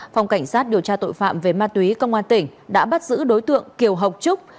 phòng cảnh sát điều tra tội phạm về ma túy công an tỉnh đã bắt giữ đối tượng kiều học trúc